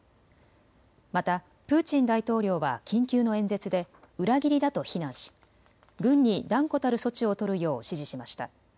またプーチン大統領は緊急の演説で裏切りだと非難し軍に断固たる措置を取るよう指示しました。